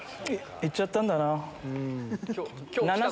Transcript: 行っちゃったんだな。